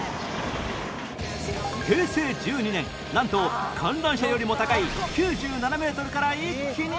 平成１２年なんと観覧車よりも高い９７メートルから一気に落下